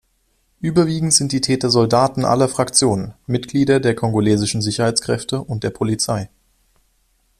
Überwiegend sind die Täter Soldaten aller Fraktionen, Mitglieder der kongolesischen Sicherheitskräfte und der Polizei.